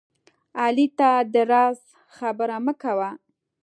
علي ته د راز خبره مه کوه